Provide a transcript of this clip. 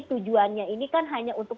tujuannya ini kan hanya untuk